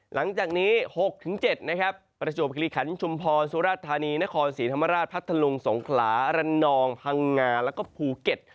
หลังจากนี้๖๗นะครับประจวบคลิขันศ์ชุมพรสุรธานีนครศรีธรรมราชพัทธลุงสงขลายะลานราธิวาสพังงาภูเก็ต